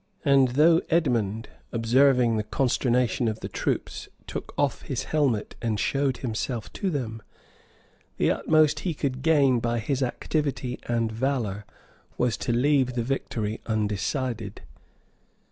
And though Edmond, observing the consternation of the troops, took off his helmet, and showed himself to them, the utmost he could gain by his activity and valor was to leave the victory undecided.